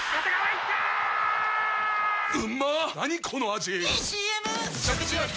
⁉いいＣＭ！！